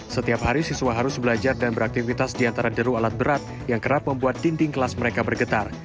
setiap hari siswa harus belajar dan beraktivitas di antara deru alat berat yang kerap membuat dinding kelas mereka bergetar